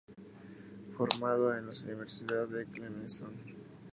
Formado en la Universidad de Clemson.